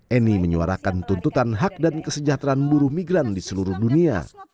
eni menyuarakan tuntutan hak dan kesejahteraan buruh migran di seluruh dunia